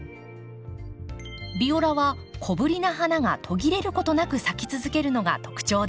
ビオラは小ぶりな花が途切れることなく咲き続けるのが特徴です。